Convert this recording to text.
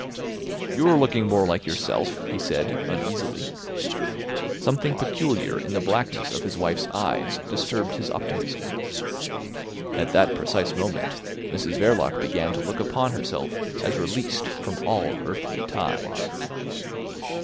"You're looking more like yourself," he said uneasily. Something peculiar in the blackness of his wife's eyes disturbed his optimism. At that precise moment Mrs Verloc began to look upon herself as released from all earthly ties.